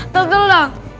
tunggu dulu dong